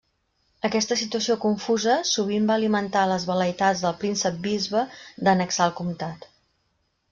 Aquesta situació confusa sovint va alimentar les vel·leïtats del príncep-bisbe d'annexar el comtat.